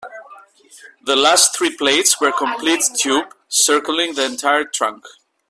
The last three plates were complete tubes, circling the entire trunk.